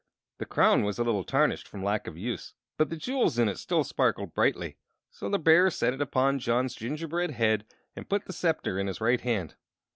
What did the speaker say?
The crown was a little tarnished from lack of use, but the jewels in it still sparkled brightly; so the bear set it upon John's gingerbread head and put the scepter in his right hand.